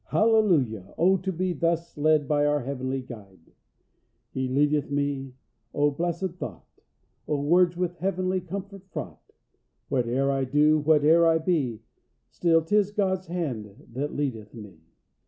Hallelujah! Oh, to be thus led by our Heavenly Guide! "He leadeth me! Oh, blessed thought! Oh, words with heavenly comfort fraught! Whate'er I do, where'er I be, Still 'tis God's hand that leadeth me.